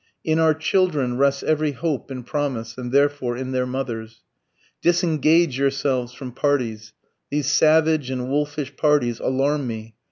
In our children rests every hope and promise, and therefore in their mothers. "Disengage yourselves from parties.... These savage and wolfish parties alarm me....